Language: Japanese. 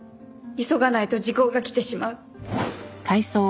急がないと時効が来てしまう。